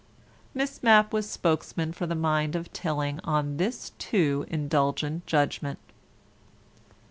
Miss Mapp was spokesman for the mind of Tilling on this too indulgent judgment.